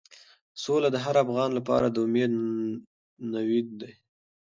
سوله د هر افغان لپاره د امید نوید دی.